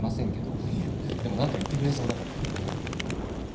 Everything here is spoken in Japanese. いやでも何か言ってくれそうだから。